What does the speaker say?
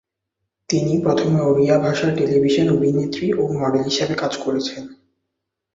তিনি প্রথমে ওড়িয়া ভাষার টেলিভিশন অভিনেত্রী ও মডেল হিসাবে কাজ করেছেন।